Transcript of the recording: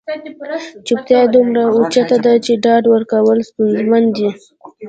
چوپتیا دومره اوچته ده چې ډاډ ورکول ستونزمن دي.